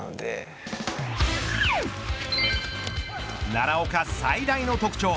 奈良岡最大の特徴